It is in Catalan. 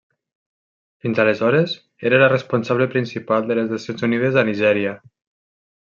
Fins aleshores, era la responsable principal de les Nacions Unides a Nigèria.